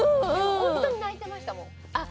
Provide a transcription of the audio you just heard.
本当に泣いてましたもん。